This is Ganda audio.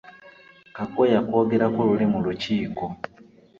Kaggwa yakwogerako luli mu lukiiko.